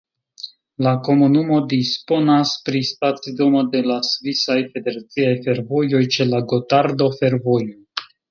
La komunumo disponas pri stacidomo de la Svisaj Federaciaj Fervojoj ĉe la Gotardo-Fervojo.